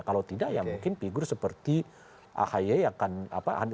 kalau tidak ya mungkin figur seperti ahy yang akan